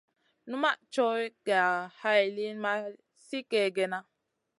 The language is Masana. Numaʼ coyh ga hay liyn ma sli kègèna.